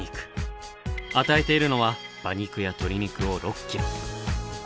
与えているのは馬肉や鶏肉を６キロ。